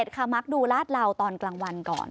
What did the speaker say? ค่ะมักดูลาดเหลาตอนกลางวันก่อน